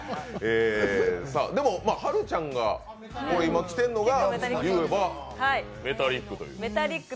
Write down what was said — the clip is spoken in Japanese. でも、はるちゃんが、今、着てるのがメタリック。